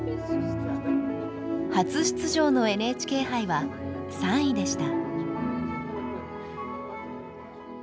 初出場のＮＨＫ杯は３位でした。